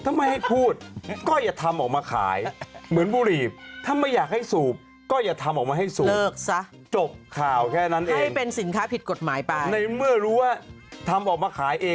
ถ้าไม่ให้พูดก็อย่าทำออกมาขาย